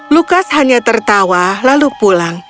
lukas hanya tertawa lalu pulang